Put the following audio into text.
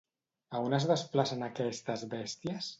A on es desplacen aquestes bèsties?